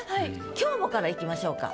「今日も」からいきましょうか。